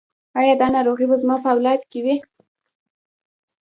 ایا دا ناروغي به زما په اولاد کې وي؟